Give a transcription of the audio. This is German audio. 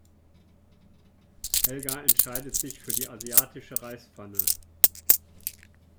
Helga entscheidet sich für die asiatische Reispfanne.